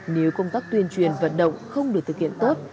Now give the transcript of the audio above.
nếu công tác tuyên truyền vận động không được thực hiện tốt